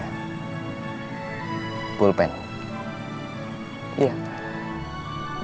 biar aku bisa bawa terus pas aku kerja nanti